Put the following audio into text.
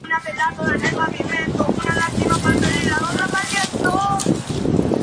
Recientemente, la palabra se emplea comúnmente para describir a un referee.